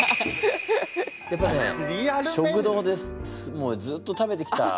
やっぱりね食堂でずっと食べてきた。